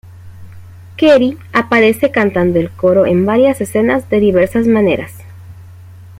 Keri aparece cantando el coro en varias escena de diversas maneras.